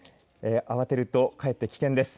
慌てるとかえって危険です。